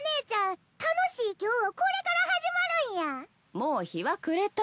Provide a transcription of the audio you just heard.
もう日は暮れた。